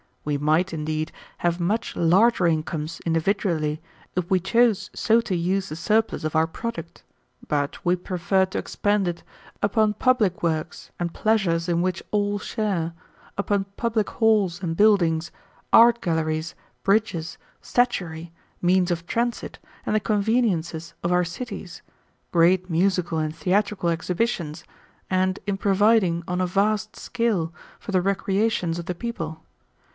We might, indeed, have much larger incomes, individually, if we chose so to use the surplus of our product, but we prefer to expend it upon public works and pleasures in which all share, upon public halls and buildings, art galleries, bridges, statuary, means of transit, and the conveniences of our cities, great musical and theatrical exhibitions, and in providing on a vast scale for the recreations of the people.